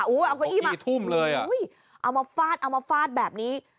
เอาเก้าอี้มาทุ่มเลยอ่ะเอามาฟาดเอามาฟาดแบบนี้